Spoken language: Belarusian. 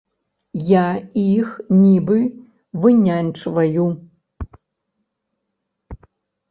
Я іх нібы вынянчваю.